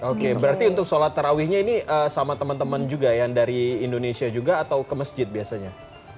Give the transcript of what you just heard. oke berarti untuk sholat terawihnya ini sama teman teman juga yang dari indonesia juga atau ke masjid biasanya